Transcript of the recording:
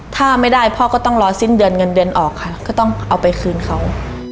ถ้าไม่ได้พ่อก็ต้องรอสิ้นเดือนเงินเดือนออกค่ะก็ต้องเอาไปคืนเขา